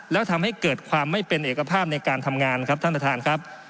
แล้วทำให้เกิดความไม่เป็นเอกภาพในการทำงานครับท่านประธานครับ